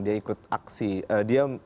dia ikut aksi